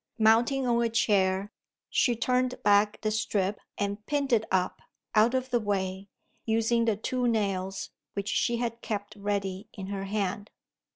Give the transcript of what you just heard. Mounting on a chair, she turned back the strip and pinned it up, out of the way, using the two nails, which she had kept ready in her hand.